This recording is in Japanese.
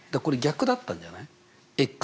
これ逆だったんじゃない？＝